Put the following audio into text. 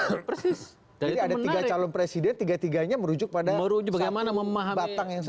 jadi ada tiga calon presiden tiga tiga nya merujuk pada batang yang sama